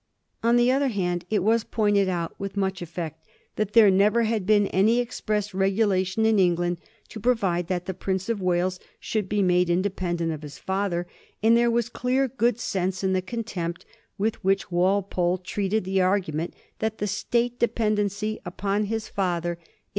On the other hand, it was pointed out with much effect that there never had been any express regulation in England to provide that the Prince of Wales should be made independent of his father, and there was clear good sense in the contempt with which Walpole treated the ar gument that the State dependency upon his father in 1787. PROVIDING FOR A PRINCE.